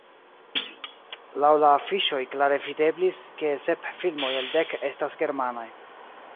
Laŭ la afiŝoj klare videblis, ke sep filmoj el dek estas germanaj.